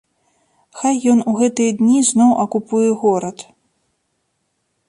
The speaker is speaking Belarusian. Хай ён у гэтыя дні зноў акупуе горад.